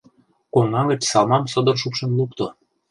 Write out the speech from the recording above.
Коҥга гыч салмам содор шупшын лукто.